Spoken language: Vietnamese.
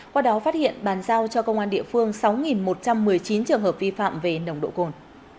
qua đó phát hiện bàn giao cho công an địa phương sáu một trăm một mươi chín trường hợp vi phạm về nồng độ cồn